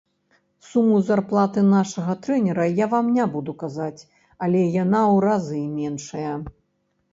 Суму зарплаты нашага трэнера я вам не буду казаць, але яна ў разы меншая.